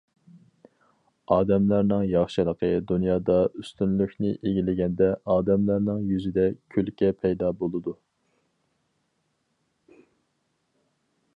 ئادەملەرنىڭ ياخشىلىقى دۇنيادا ئۈستۈنلۈكنى ئىگىلىگەندە ئادەملەرنىڭ يۈزىدە كۈلكە پەيدا بولىدۇ.